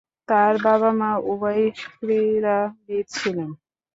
তার বাবা-মা উভয়ই ক্রীড়াবিদ ছিলেন।